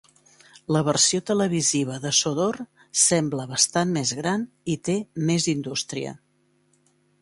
La versió televisiva de Sodor sembla bastant més gran i té més indústria.